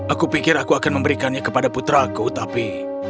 aku pikir aku akan memberikannya kepada putraku tapi